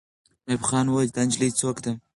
ایوب خان وویل چې دا نجلۍ څوک ده.